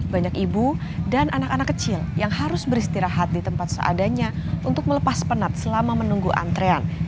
banyak ibu dan anak anak kecil yang harus beristirahat di tempat seadanya untuk melepas penat selama menunggu antrean